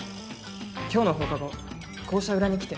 「今日の放課後校舎裏に来て。